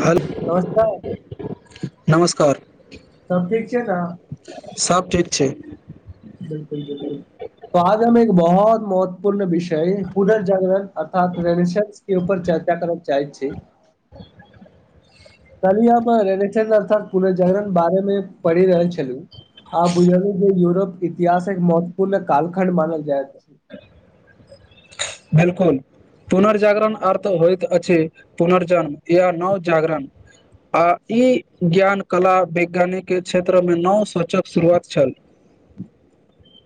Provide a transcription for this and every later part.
Hello नमस्कार नमस्कार सब ठीक छइ ने सब ठिक छै बिल्कुल बिलकुल आज हम एक बहुत महत्वपूर्ण विषय पुनर्जागरण अर्थात रेनिसन्स उपर चर्चा करब चाहै छी [inaudible] कहली हम र अर्थ पुनर्जागरण बारे मे पढ़ि रहल छलु आब बुझलक जे यूरोप इतिहास एक महत्वपूर्ण कालखंड मानल जाय [inaudible] बिल्कूल पुनर्जागरण अर्थ होइत अछि पुनर्जन्म इहय न जागरण आओर ई ज्ञान कला वैज्ञानिक के क्षेत्रमें नव सूचक शुरुआत छल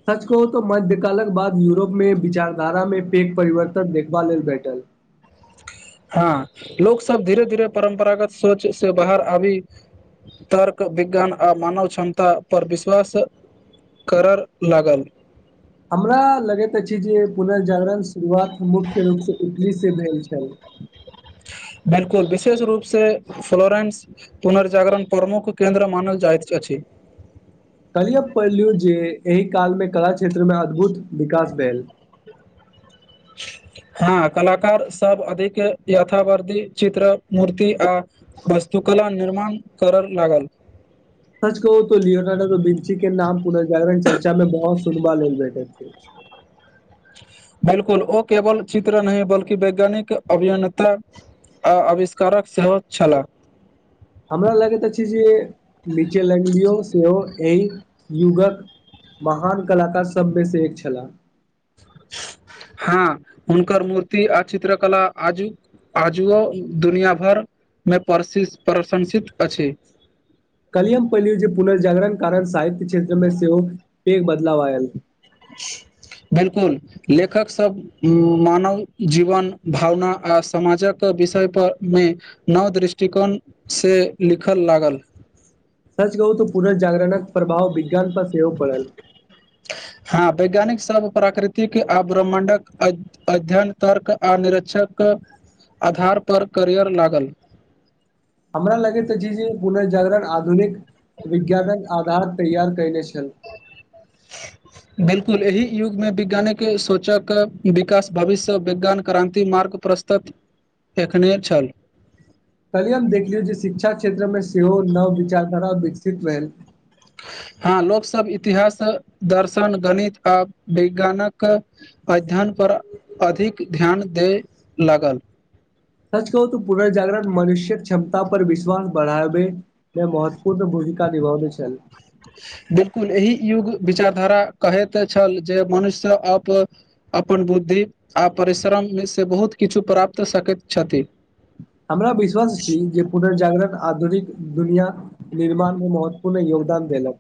सच कहूं तो मध्य्यकालक बाद यूरोप में विचारधारा में पेक परिवर्तन देखबा लेल भेटल हँ लोक सब धीरे धीरे परम्परागत सोच से बाहर आबी तर्क विज्ञान आ मानव क्षमता पर विश्वास करऽ लागल हमरा लगैत अछि जे पुनर्जागरण शुरुआत मुख्य रूपसँ इटली से भेल छय बिल्कुल विशेष रूपसँ फ्लोरेंस पुनर्जागरण प्रमुख केन्द्र मानल जाइत अछि कहलि हम पढ़लू जे एहि काल मे कला क्षेत्र में अद्भुत विकास भेल हँ कलाकार सब अधिक यथावर्धी चित्र मूर्ति आ वास्तुकला निर्माण कर लागल सच कहू तो लियोनार्डो आ बीलिंचीक के नाम पुनर्जागरण चर्चा में बहुत सुनबा लेल बैठे छय बिल्कुल ओ केवल चित्र बल्कि वैज्ञानिक अभियन्ता आ आविष्कारक सेहो छलाह हमरा लगैत अछि जे नीचेल्डियो सेहो एहि युगक महान कलाकार सभमेसँ एक छलाह हँ हुनकर मूर्ति आ चित्रकला आजुक आजुओ दुनिआ भरिमे प्रसि प्रशंसित अछि कलियम पलू जे पुनर्जागरण कारण साहित्य क्षेत्रमें सेहो पेघ बदलाव आयल [unintelligible] बिलकुल लेखक सब मानव जीवन भावना आ समाजक विषय पर में नव दृष्टिकोण से लिखल लागल सच कहु तऽ पुनर्जागरणक प्रभाव विज्ञान पर सेहो पड़ल हँ वैज्ञानिक सब प्राकृतिक आ ब्रह्मण्डक अध्ययन तर्क आ निरीक्षक आधार पर करियर लागल हमरा लगैत अछि जे पुनर्जागरण आधुनिक विज्ञानक आधार तैयार कयने छल बिलकुल एहि युग में वैज्ञानिक सोचक विकास भविष्य विज्ञान क्रांति मार्ग प्रस्त तऽ एखने छल कली हम देखलियौ जे शिक्षा क्षेत्र में सेहो नव विचारधारा विकसित भेल हँ लोक सब इतिहास दर्शन गणित आ विज्ञानक अध्ययनपर अधिक ध्यान दय लागल सच कहू तऽ पुनर्जागरण मनुष्य्क क्षमता पर विश्वास बढ़ाबे जे महत्वपूर्ण भूमिका निभावे छल बिलकुल एहि युग विचारधारा कहैत छल जे मनुष्य अप अपन बुद्धि आओ परिश्रम में से बहुत किछ प्राप्त सकैत छथि हमरा विश्वास छी जे पुनर्जागरण आधुनिक दुनिया निर्माण में महत्वपूर्ण योगदान देलक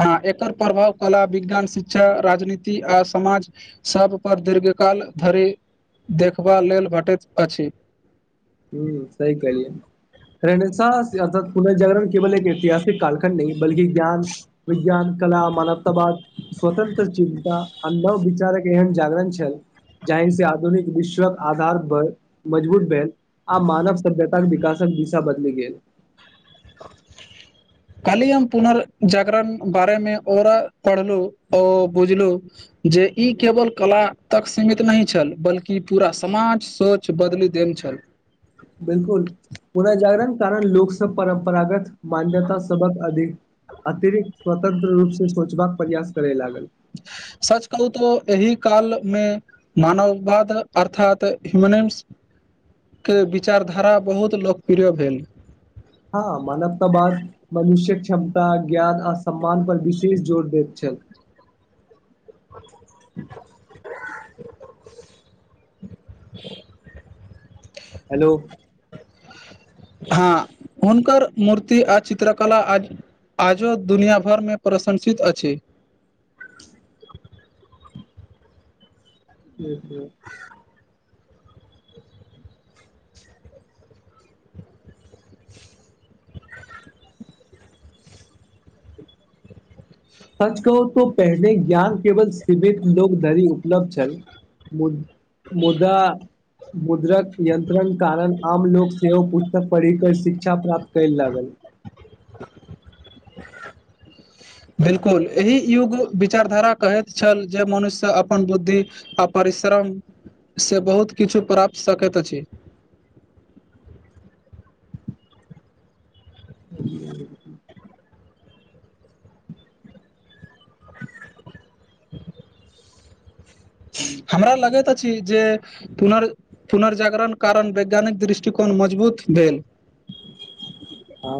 हँ एकर प्रभाव कला विज्ञान शिक्षा राजनीति आ समाज सभ पर दीर्घकाल धरि देखबा लेल भेटैत अछि हं सही कहलियै रहने अथ पुनर्जागरण केवल एक ऐतिहासिक कलखंड नइ बल्कि ज्ञान विज्ञान कला मानवतावाद स्वतंत्र चिन्ता आ नव विचारक एहन जागरण छल जाे आधुनिक विश्वक आधार पर मजबूत भेल आ मानव सभ्यताक विकासक दिशा बदलि गेल काल्हि हम पुनर्जागरण बारे में औरा पढ़लु बुझलु जे ई केवल कला तक सीमित नहि छल बल्कि पूरा समाज सोच बदलि देने छल बिल्कुल पुनर्जागरण कारण लोक सब परम्परागत मान्यता सबक अधिक अतिरिक्त स्वतंत्र रूप से सोचबाक प्रयास करे लागल सच कहू तऽ एहि कालमें मानववाद अर्थात ह्यमनम्स के विचारधारा बहुत लोकप्रिय भेल हँ मानवताबाद मनुष्यक क्षमता ज्ञान आ सम्मान पर विशेष जोर देैत छल अचा हेलो हँ हुनकर मूर्ति आ चित्रकला आ आजो दुनिया भर में प्रशंसित अछि हं हं [inaudible] सच कहू तो पहिने ज्ञान केवल सीमित लोक धरि उपलब्ध छल मुदा मुद्रक यन्त्रणक कारण आम लोक सेहो पुस्तक पढ़ि कऽ शिक्षा प्राप्त कय लागल [inaudible] बिल्कुल एहि युग विचारधारा कहैत छल जे मनुष्य अपन बुद्धि आ परिश्रम से बहुत किछु प्राप्त सकैत अछि [inaudible] हमरा लगैत अछि जे पुनर पुनर्जागरण कारण वैज्ञानिक दृष्टिकोण मजबूत भेल आ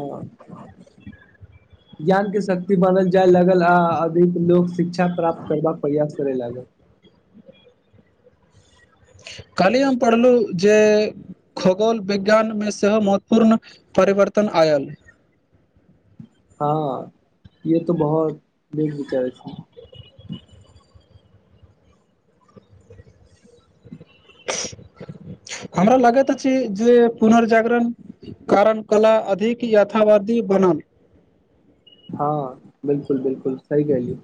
ज्ञान के शक्ति बनल जाय लागल आ अधिक लोक शिक्षा प्राप्त करबाक प्रयास करे लागल काल्हि हम पढ़लहु जे खगोल विज्ञान में सेहो महत्वपूर्ण परिवर्तन आयल हँ ये तो बहुत बे विचारे छय [inaudible] हमरा लागैत अछि छी जे पुनर्जागरण कारण कला अधिक यथावादी बनन हँ बिलकुल बिलकुल सही कहलिये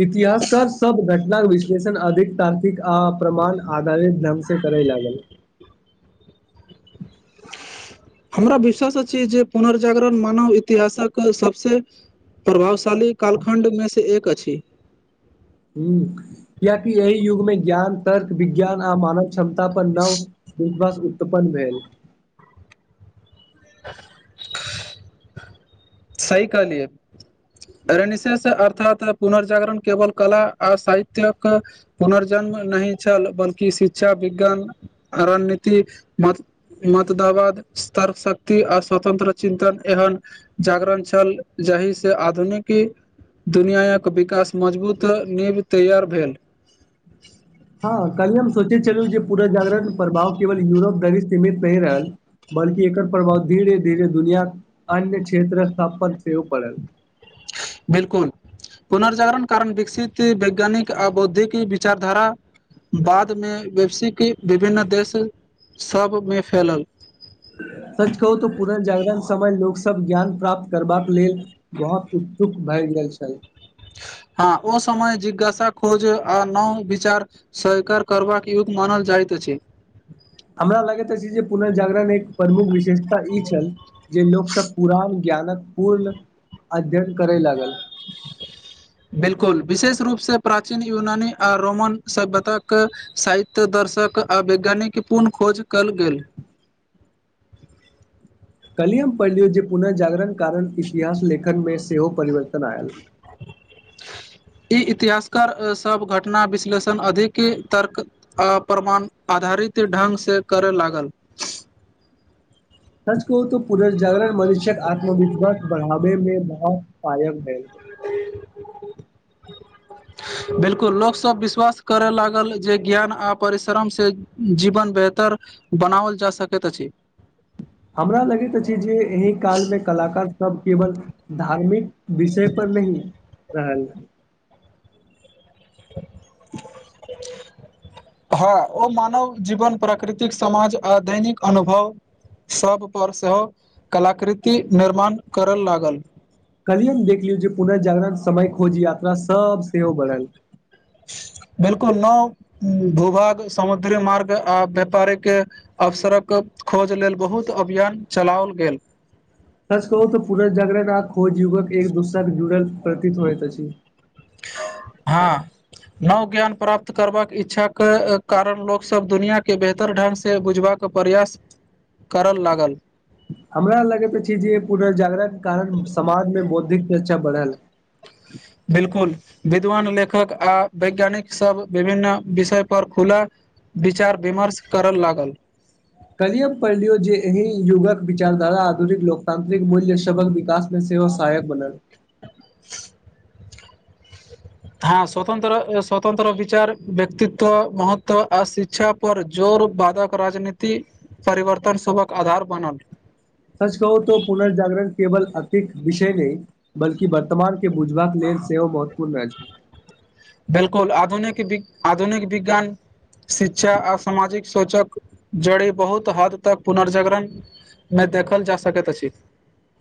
इतिहासकार सब घटनाक विश्लेषण अधिक ता र्कीक आ प्रमाण आधारित ढंग से करय लागल [inaudible] हमरा विश्वास अछि जे पुनर्जागरण मानव इतिहासक सबसे प्रभावशाली कालखण्डमे सँ एक अछि ह कियाकि एहि युगमे ज्ञान तर्क विज्ञान आ मानव क्षमता पर नव विश्वाश उत्पन्न भैल [inaudible] सही कहलिए निशष अर्थात पुनर्जागरण केवल कला आ साहित्यक पुनर्जन्म नहि छल बल्कि शिक्षा विज्ञान रणनीति मत मतदावाद स्तर शक्ति आ स्वतन्त्र चिन्तन एहन जागरन छल जहि से आधुनिकी दुनिआक विकास मजबूत नीब तैयार भेल हँ कलहि हम सोचे छलहुँ जे पुनजगरण प्रभाव केवल यूरोप धरी सीमित नहि रहल बल्कि एकर प्रभाव धीरे धीरे दुनिया अन्य क्षेत्र स्थापन सेहो पङल बिलकुल पुनर्जागरण कारण विकसित वैज्ञानिक आ बौद्धिक विचारधाराक बाद मे वैपसिकी विभिन्न देश सब मे फैलल सच कहू त पुनर्जागरण समय लोक सब ज्ञान प्राप्त करबाक लेल बहुत उत्सुक भए गेल छेल हँ ओ समय जिज्ञासा खोज आ नओ विचार सहकार करबाक युग मानल जाइत अछि हमरा लगे अछी जे पुनःजागरण एक प्रमुख विशेषता ई छल जे लोक सब पुरान ज्ञानक पूर्ण अध्ययन करय लागल बिलकुल विशेष रूप सँ प्राचीन यूनानी आ रोमन सभ्यता एक साहित्य दर्शक आ वैज्ञानिक पूर्ण खोज कयल गेल कलिय हम पढ़ि लियौ जे पुनर्जागरण कारण इतिहास लेखन मे सेहो परिवर्तन आयल ह [inaudible] ई इतिहासकार सभ घटना विश्लेषण अधिक तर्क प्रमाण आधारित ढङ्ंगसँ करय लागल सच कहु तऽ पुनः जागरण मनुष्यक आत्मविश्वास बढ़ाबे में बहुत कायम है अे [unintelligible] बिलकुल लोकसभ विश्वास करय लागल जे ज्ञान आ परिश्रम से जीवन बेहतर बनाओल जा सकैत अछि हमरा लगैत अछि जे एहि कालमे कलाकार सब केवल धार्मिक विषय पर नही रहल ह [inaudible] [inaudible] हँ ओ मानव जीवन प्राकृतिक समाज आ दैनिक अनुभव सब पर सेहो कलाकृति निर्माण करय लागल कहलिए ने देख लियौ जे पुनः जागरण समय खोज यात्रा सब सेहो बढ़ल बिलकुल नओ भूभाग समुद्री मार्ग आ व्यापारिक अवसरक खोज लेलऽ बहुत अभियान चलाओल गेल तच कहू त पुन जगरण आ खोज युवक एक दूसराक जुड़ल प्रतीत होइत अछि ह नव ज्ञान प्राप्त करबाक इच्छा के कारण लोकसभब दुनिआँके बेहतर ढ़ंगस बुझबाक के प्रयास करऽ लागल हमरा लगैत अछि जे पुनर्जागरण के कारण समाजमे बौद्धिक शिक्षा बढ़ल बिल्कूल विद्वान लेखक आ वैज्ञानिक सभ विभिन्न विषय पर खुला विचार विमर्श करऽ लागल। कलिये पढ़लियो जे एहि युगक विचार धारा आधुनिक लोकतान्त्रिक मूल्य सबक विकास से ओ सहायक बनल। [inaudible] ह स्वतंत्र स्वतंत्र विचार व्यक्तित्व महत्व आ शिक्षा पर जोर बाधक राजनीतिक परिवर्तन सभके आधार बनल सच कहू तऽ पुनर्जागरण केवल अतिक विषय नहि बल्कि वर्तमान के बुझबाक लेलऽ सेहो महत्वपूर्ण छै बिल्कूल आधुनिक आधुनिक विज्ञान शिक्षा आ सामाजिक सोचक जड़ बहुत हद तक पुनर्जागरण। मे देखल जा सकैत अछि।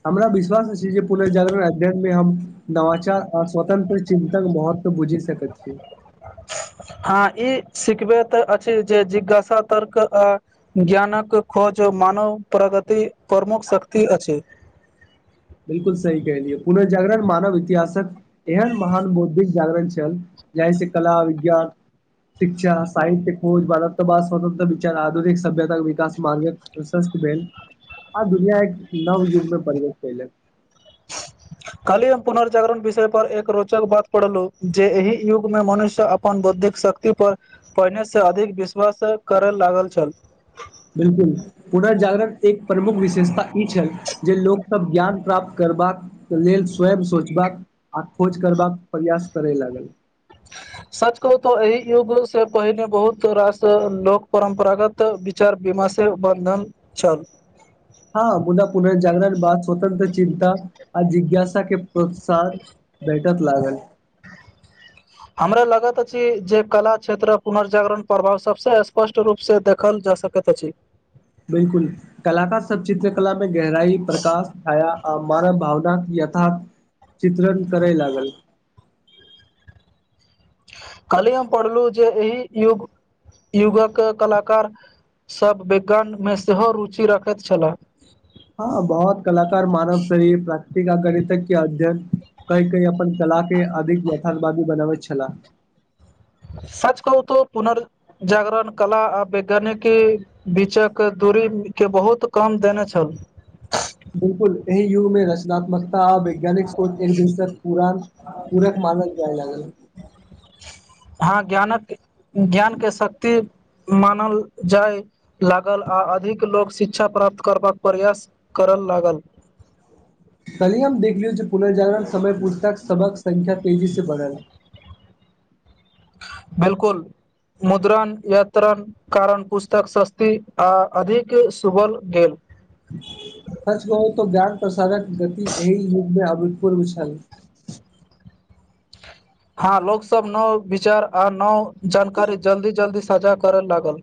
हमरा विश्वास अछि जे पुनर्जागरण अध्ययनमे हम नवाचार आ स्वतंत्र चिन्तन महत्व। तऽ बुझि सकैत छीयै ह, ई सिखबे तऽ अछि जे जिज्ञासा तर्क अ ज्ञानक खोज मानव प्रगति प्रमुख शक्ति अछि। बिल्कूल सही कहलियऐ पुनर्जागरण मानव इतिहासक एहन महान बौद्धिक जागरण छल जाहि से कला विज्ञान। शिक्षा साहित्य, खोज भारताद्वतंत्र विचार, आधुनिक, सभ्यतााक विकास मार्ग प्रशस्त भेल आ दुनिया एक नव युगमे प्रवेश कयलक काल्हि हम पुनर्जागरण विषय पर एक रोचक बात पढ़लहुँ जे एहि युगमे मनुष्य अपन बौद्धिक शक्ति पर पहिने अधिक, विश्वास, करय लागल छेले बिल्कूल पुनर्जागरण एक प्रमुख विशेषता ई छल जे लोकसभ ज्ञान प्राप्त करबाक। के लेल स्वयं सोचबाक आ खोज करबाक प्रयास करे लागल। ह। सच कहु तो एहि युग से पहिने बहुत रास लोक परम्परागत। चार बीमा से बन्धन छल। हँ पुन पुनर्जागरण बात स्वतंत्र चिन्ता आ जिज्ञासा के प्रोत्साह भेटत लागल। हमरा लगत अछि जे कला क्षेत्र पुनर्जागरण प्रभाव सबस स्पष्ट। रूपसँ देखल जा सकैत अछि बिल्कूल कलाकार सभ चित्रकला मे गहराई प्रकाश छाया आ मानव भावना यथ चित्रण करय लागल। खाली हम पढ़लहुँ जे एहि युग। युगक कलाकार सभ वैज्ञान मे सेहो रुचि रखैत छलाे ह बहुत कलााक मानव सरी प्राकृतिक गणितक के अध्ययन। कई कई अपन कला के अधिक यथार्थवादी बनबैत छलाह। सच कहू त पुनर्जागरण कला आ वैज्ञानिकी बीचक दूरी के बहुत कम देने छल बिलकुल एहि युग में रचनात्मकता आ वैज्ञानिक को एक दूसरक पुरान पूरक मानल जाय लागल हँ ज्ञानक ज्ञानके शक्ति मानल जाय लागल आ अधिक लोक शिक्षा प्राप्त करबाक प्रयास करय लागल काल्हि हम देखलियौ जे पुनर्जागरण समय पुस्तक सभक संख्या तेजीसँ बढ़ल बिलकुल मुद्रण यात्रण कारण पुस्तक सस्ती आ अधिक सुभल गेल सच कहहु त ज्ञान प्रसारक गति एहि युगमे अभूतपूर्व छैल हँ लोक सब नव विचार आ नव जानकारी जल्दी जल्दी साझा करे लागल